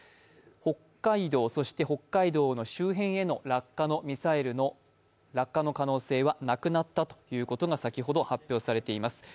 北海道、そして北海道の周辺へのミラいるの落下の可能性はなくなったということが先ほど発表されています。